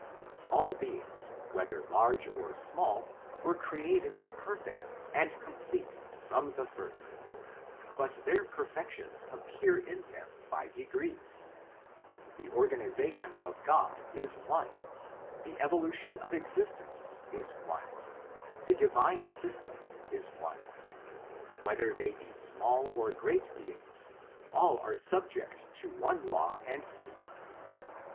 All beings, whether large or small, were" created perfect and complete from the first, but their per fections appear in them by degrees. The organisation of God is one : the evolution of existence is one : the divine system is one. Whether they be small or great beings, all are subject to one law and system.